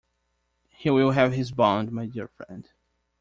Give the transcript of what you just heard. He will have his bond, my dear friend.